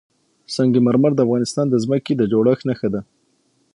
سنگ مرمر د افغانستان د ځمکې د جوړښت نښه ده.